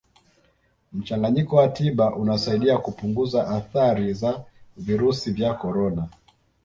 mchanganyiko wa tiba unasaidia kupunguza athari za virusi vya corona